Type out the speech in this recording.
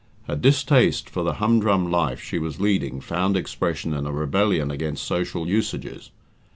Her distaste for the humdrum life she was leading found expression in a rebellion against social usages.